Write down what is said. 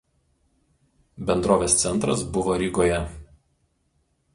Bendrovės centras buvo Rygoje.